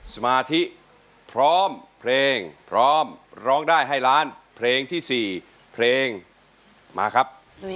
สมาธิพร้อมเพลงพร้อมร้องได้ให้ล้านเพลงที่๔เพลงมาครับ